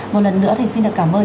một lần nữa thì xin được cảm ơn